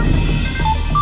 tidak ada apa apa